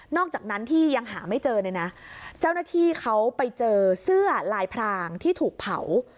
อกจากนั้นที่ยังหาไม่เจอเนี่ยนะเจ้าหน้าที่เขาไปเจอเสื้อลายพรางที่ถูกเผา